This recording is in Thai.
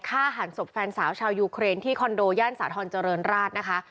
ฆ่าหันศพแฟนสาวชาวยูเครนที่คอนโดย่านสาธรณเจริญราชนะคะ